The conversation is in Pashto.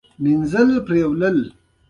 د دولت–ملت نظریه پخوا کفر بلل کېده.